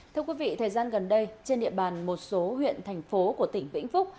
thưa quý vị thời gian gần đây trên địa bàn một số huyện thành phố của tỉnh vĩnh phúc